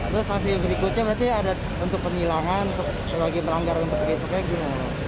sanksi yang berikutnya berarti ada untuk penilangan selagi melanggar untuk ktp gimana